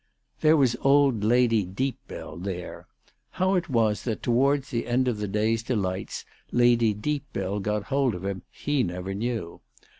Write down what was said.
There was old Lady Deepbell there. How it was that towards the end of the day's delights Lady Deep bell got hold of him he never knew.